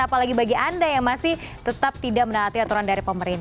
apalagi bagi anda yang masih tetap tidak menaati aturan dari pemerintah